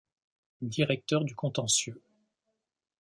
Directeur du contentieux.